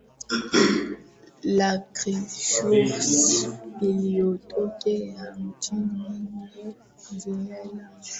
la chrischurch iliyotokea nchini new zealand